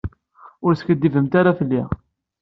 Ur skiddibemt ara fell-i.